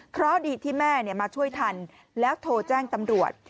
เพราะดีที่แม่มาช่วยทันแล้วโทรแจ้งตำรวจ